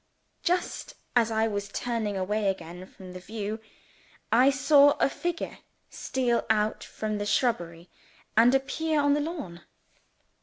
Just as I was turning away again from the view, I saw a figure steal out from the shrubbery and appear on the lawn.